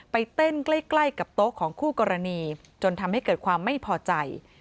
ไปเต้นใกล้กับโต๊ะของคู่กรณีจนทำให้เกิดความไม่พอใจ